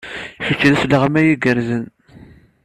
Kečč d asleɣmay igerrzen.